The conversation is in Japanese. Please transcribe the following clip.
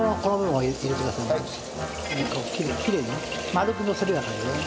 きれいにね。丸くのせるような感じでね。